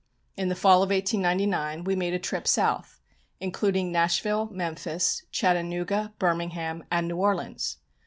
In the Fall of 1899 we made a trip South, including Nashville, Memphis, Chattanooga, Birmingham, and New Orleans.